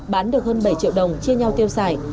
bán được hơn bảy triệu đồng chia nhau tiêu xài